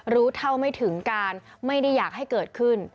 รู้เท่าไม่ถึงการไม่ได้อยากให้เกิดขึ้น